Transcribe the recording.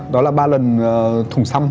đó là ba lần thùng xăm